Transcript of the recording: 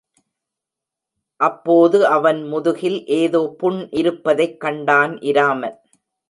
அப்போது அவன் முதுகில் ஏதோ புண் இருப்பதைக் கண்டான் இராமன்.